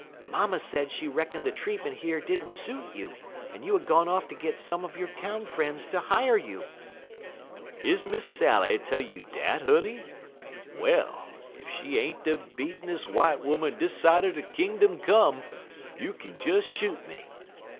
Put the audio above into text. Mamma said she reckoned the treatment here did n't suit you, and you had gone off to get some of your town friends to hire you." "Is Miss Sally tell you dat, honey? Well, ef she ain't de beatenes' w'ite 'oman dis side er kingdom come, you kin des shoot me.